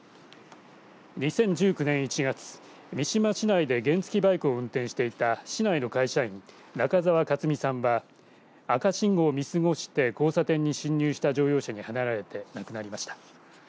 ２０１９年１月、三島市内で原付バイクを運転していた市内の会社員、仲澤勝美さんは赤信号を見過ごして交差点に侵入した乗用車にはねられて亡くなりました。